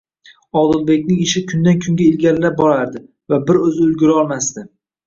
Odilbekning ishi kundan-kun ilgarila borardi va bir o'zi ulgurolmas